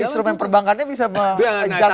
dan instrumen perbankannya bisa menjaga